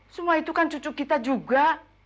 semua itu kan cucu kita juga